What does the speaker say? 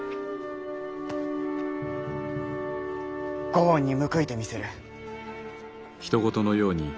ご恩に報いてみせる。